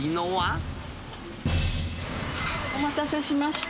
お待たせしました。